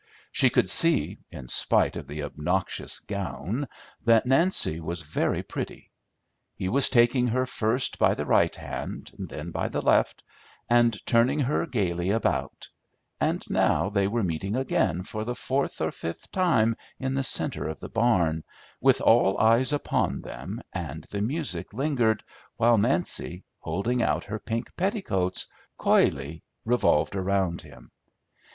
She could see, in spite of the obnoxious gown, that Nancy was very pretty. He was taking her first by the right hand, then by the left, and turning her gayly about; and now they were meeting again for the fourth or fifth time in the centre of the barn, with all eyes upon them, and the music lingered while Nancy, holding out her pink petticoats, coyly revolved around him.